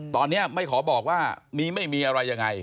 ตอนนี้ไม่ขอบอกว่ามีไม่มีอะไรยังไง